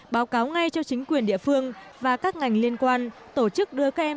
báo cáo ngay cho chính quyền địa phương và các ngành liên quan tổ chức đưa các em